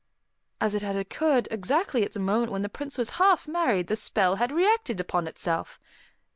As it had occurred exactly at the moment when the Prince was half married, the spell had reacted upon itself.